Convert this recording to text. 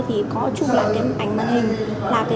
thì có chung là cái ảnh màn hình